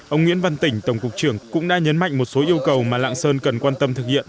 ông nguyễn văn tỉnh tổng cục trưởng cũng đã nhấn mạnh một số yêu cầu mà lạng sơn cần quan tâm thực hiện